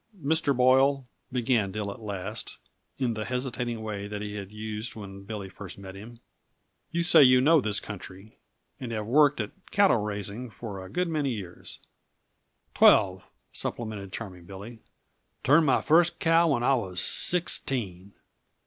"Mr. Boyle," began Dill at last, in the hesitating way that he had used when Billy first met him, "you say you know this country, and have worked at cattle raising for a good many years " "Twelve," supplemented Charming Billy. "Turned my first cow when I was sixteen."